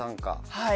はい。